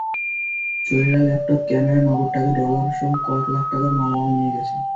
চোরেরা laptop, camera, নগদ টাকা, ডলারসহ কয়েক লাখ টাকার মালামাল নিয়ে গেছে।